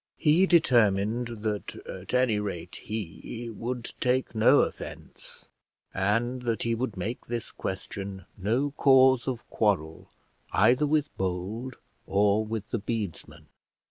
He determined that at any rate he would take no offence, and that he would make this question no cause of quarrel either with Bold or with the bedesmen.